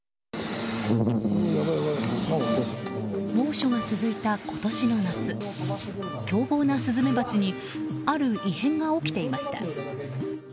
猛暑が続いた今年の夏凶暴なスズメバチにある異変が起きていました。